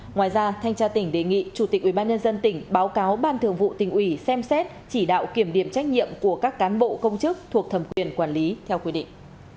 ngoài ra thanh tra tỉnh đề nghị chủ tịch ubnd tỉnh báo cáo ban thường vụ tỉnh ủy xem xét chỉ đạo kiểm điểm trách nhiệm của các cán bộ công chức thuộc thẩm quyền quản lý theo quy định